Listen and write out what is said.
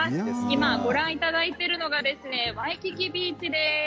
今、ご覧いただいているのがワイキキビーチです。